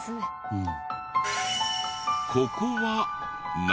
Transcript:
うん。